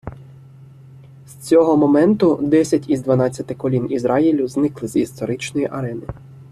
З цього моменту десять із дванадцяти колін Ізраїлю зникли з історичної арени.